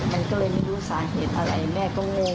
มันก็เลยไม่รู้สาเหตุอะไรแม่ก็งง